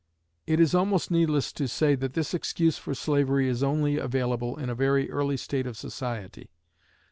It is almost needless to say that this excuse for slavery is only available in a very early state of society.